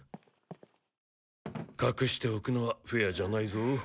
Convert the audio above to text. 隠しておくのはフェアじゃないぞ。